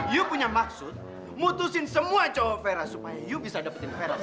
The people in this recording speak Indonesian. you punya maksud mutusin semua cowok fera supaya you bisa dapetin fera sih